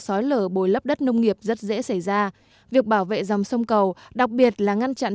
xói lở bồi lấp đất nông nghiệp rất dễ xảy ra việc bảo vệ dòng sông cầu đặc biệt là ngăn chặn